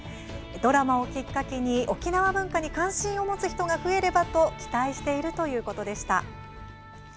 ドラマをきっかけに沖縄文化に関心を持つ人が増えればと期待しているということでした。